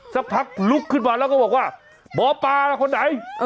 สักพักลุกขึ้นมาแล้วก็บอกว่าหมอปลาคนไหน